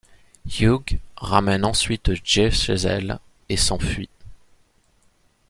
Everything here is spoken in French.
Hugh ramène ensuite Jay chez elle et s'enfuit.